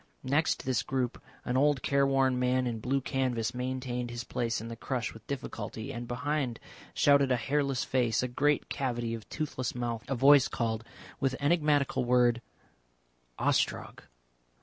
Next this group an old careworn man in blue canvas maintained his place in the crush with difficulty, and behind shouted a hairless face, a great cavity of toothless mouth. A voice called that enigmatical word "Ostrog."